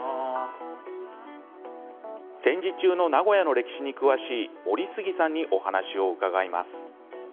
戦時中の名古屋の歴史に詳しい森杉さんにお話を伺います。